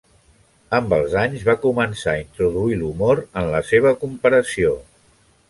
Amb els anys, va començar a introduir l'humor en la seva comparació.